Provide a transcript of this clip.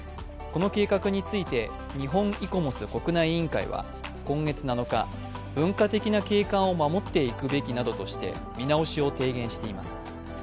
この計画について、日本イコモス国内委員会は今月７日文化的景観を守っていくべきなどとして見直しを提言しています。